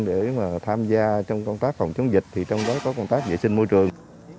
để mà tham gia trong công tác phòng chống dịch thì trong đó có công tác vệ sinh môi trường